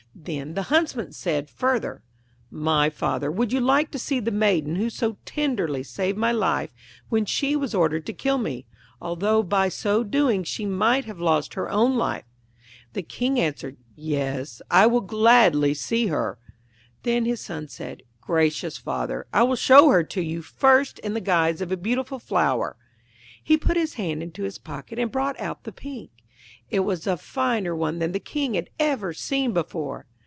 Then the Huntsman said further 'My father would you like to see the Maiden who so tenderly saved my life when she was ordered to kill me, although by so doing she might have lost her own life?' The King answered, 'Yes, I will gladly see her.' Then his son said, 'Gracious father, I will show her to you first in the guise of a beautiful flower.' He put his hand into his pocket, and brought out the Pink. It was a finer one than the King had ever seen before.